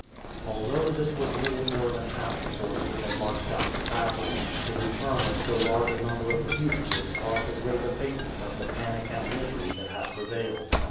Although this was little more than half the force which had marched out to battle, the return of so large a number of the fugitives caused a great abatement of the panic and misery that had prevailed.